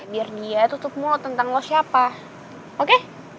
biar dia tutup mau tentang lo siapa oke